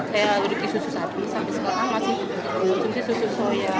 saya alergi susu sapi sampai sekarang masih alergi susu soya